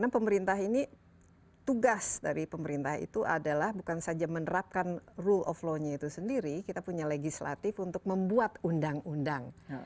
nah pemerintah ini tugas dari pemerintah itu adalah bukan saja menerapkan rule of law nya itu sendiri kita punya legislatif untuk membuat undang undang